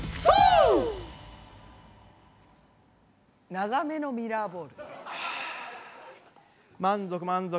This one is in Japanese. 長めのミラーボール。